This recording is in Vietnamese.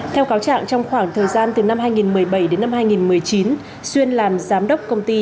theo cáo trạng trong khoảng thời gian từ năm hai nghìn một mươi bảy đến năm hai nghìn một mươi chín xuyên làm giám đốc công ty